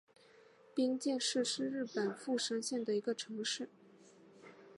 冰见市是日本富山县的一个城市。